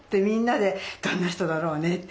みんなで「どんな人だろうね」